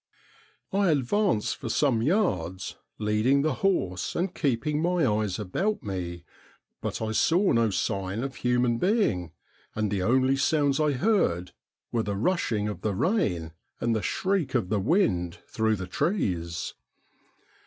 I advanced for some yards, leading the horse and keeping my eyes about me, but I saw no sign of human being, and the only sounds I heard were the rushing of the rain and the shriek of the wind through the trees.